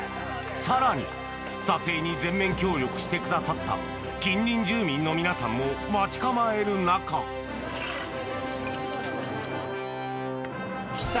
さらに撮影に全面協力してくださった近隣住民の皆さんも待ち構える中来た！